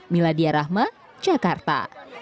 miladya rahma jakarta